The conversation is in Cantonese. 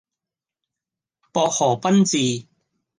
薄荷賓治